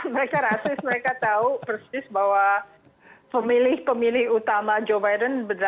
mereka rasis mereka tahu persis bahwa pemilih pemilih utama joe biden